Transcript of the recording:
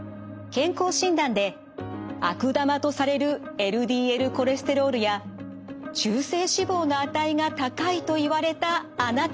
健康診断で悪玉とされるＬＤＬコレステロールや中性脂肪の値が高いと言われたあなた。